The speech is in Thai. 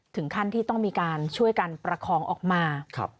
ถึงขั้นที่ต้องมีการช่วยกันประคองออกมา